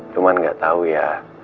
cuman gak tau ya